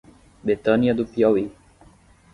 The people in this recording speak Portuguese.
Betânia do Piauí